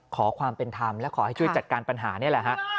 ขอความเป็นธรรมและขอให้ช่วยจัดการปัญหานี่แหละฮะ